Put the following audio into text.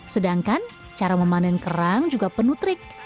sedangkan cara memanen kerang juga penutrik